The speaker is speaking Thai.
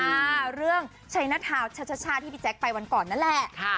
อ่าเรื่องใช้หน้าทาวช่าที่พี่แจ๊คไปวันก่อนนั่นแหละค่ะ